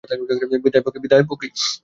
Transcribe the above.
বিদায়, পোকি!